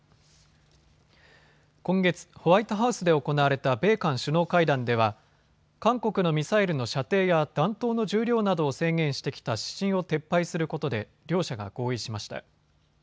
今月、ホワイトハウスで行われた米韓首脳会談では韓国のミサイルの射程や弾頭の重量などを制限してきた指針を撤廃することで両者が合意しました。